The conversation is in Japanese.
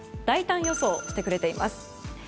大胆予想してくれています。